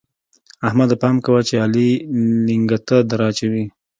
احمده! پام کوه چې علي لېنګته دراچوي.